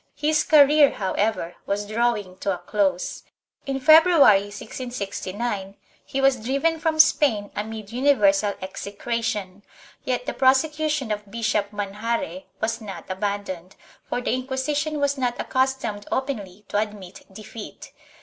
His career, however, was drawing to a close. In February, 1669, he was driven from Spain amid universal execration, yet the prosecution of Bishop Manjarre was not abandoned, for the Inquisition was not accustomed openly to admit defeat.